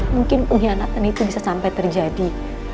mungkin pengkhianatan itu bisa sampai terjadi